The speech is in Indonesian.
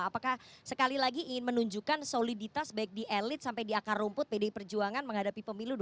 apakah sekali lagi ingin menunjukkan soliditas baik di elit sampai di akar rumput pdi perjuangan menghadapi pemilu dua ribu dua puluh